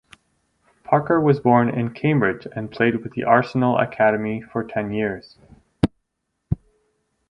Parker was born in Cambridge and played with the Arsenal academy for ten years.